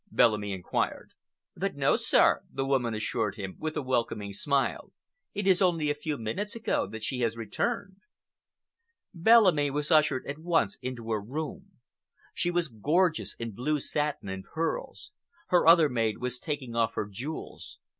Bellamy inquired. "But no, sir," the woman assured him, with a welcoming smile. "It is only a few minutes ago that she has returned." Bellamy was ushered at once into her room. She was gorgeous in blue satin and pearls. Her other maid was taking off her jewels.